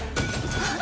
あっ！